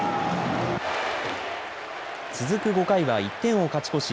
続く５回は、１点を勝ち越し